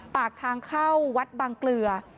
ปากทางเข้าวัดบางเกลือ